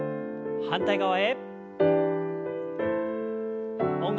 反対側へ。